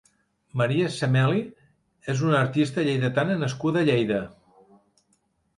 Maria Cemeli és una artista lleidatana nascuda a Lleida.